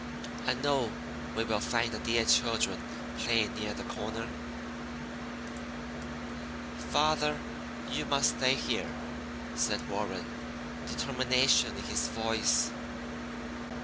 I know that we will find the dear children playing near the corner." "Father, you must stay here," said Warren, determination in his voice.